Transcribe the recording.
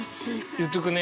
言っとくね？